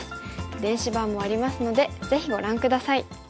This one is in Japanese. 電子版もありますのでぜひご覧下さい。